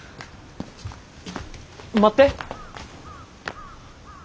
待って！